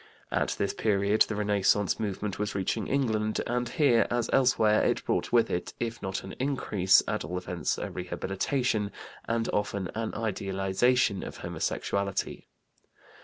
At this period the Renaissance movement was reaching England, and here as elsewhere it brought with it, if not an increase, at all events a rehabilitation and often an idealization of homosexuality.